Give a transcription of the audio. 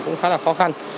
cũng khá là khó